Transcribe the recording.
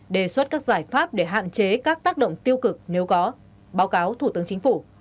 đề xuất các giải pháp để hạn chế các tác động tiêu cực nếu có báo cáo thủ tướng chính phủ